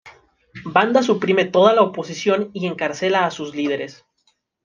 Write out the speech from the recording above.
Banda suprime toda la oposición y encarcela a sus líderes.